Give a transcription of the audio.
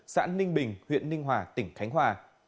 xã ninh bình huyện ninh hòa tỉnh khánh hòa